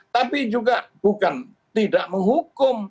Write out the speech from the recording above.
tapi juga bukan tidak menghukum